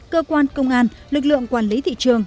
cơ quan công an lực lượng quản lý thị trường